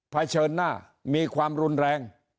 เฉินหน้ามีความรุนแรง